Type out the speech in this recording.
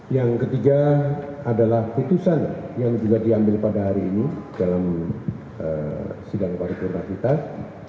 yang ketiga adalah putusan yang juga diambil pada hari ini dalam sidang paripurna kita